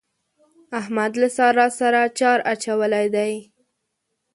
احمد له سارا سره چار اچولی دی.